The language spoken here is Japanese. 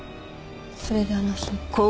それであの日。